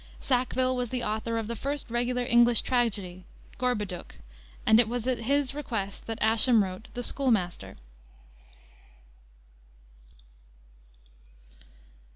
Sackville was the author of the first regular English tragedy, Gorboduc, and it was at his request that Ascham wrote the Schoolmaster.